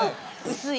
薄い。